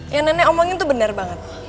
yang nenek omongin tuh benar banget